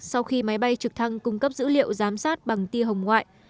sau khi máy bay trực thăng cung cấp dữ liệu giám sát bằng ti hồng ngoại